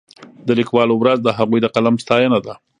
د لیکوالو ورځ د هغوی د قلم ستاینه ده.